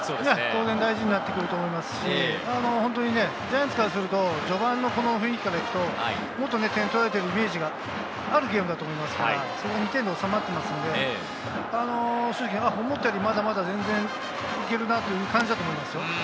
当然、大事になっていくと思いますし、ジャイアンツからすると序盤のこの雰囲気から行くと、もっと点を取られているイメージがあるゲームだと思いますから、それが２点で収まっていますので、思ったよりまだまだ全然いけるなという感じだと思います。